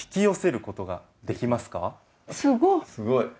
すごい！